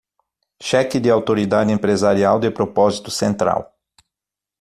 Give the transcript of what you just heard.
Cheque de autoridade empresarial de propósito central